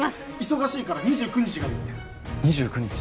忙しいから２９日がいいって２９日？